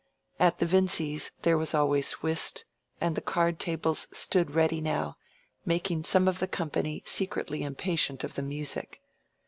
At the Vincys' there was always whist, and the card tables stood ready now, making some of the company secretly impatient of the music.